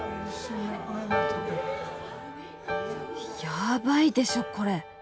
やばいでしょこれ。